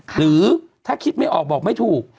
หรือถ้าคิดไม่ออกบอกไม่ถูก